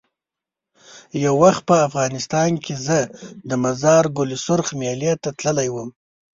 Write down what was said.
یو وخت په افغانستان کې زه د مزار ګل سرخ میلې ته تللی وم.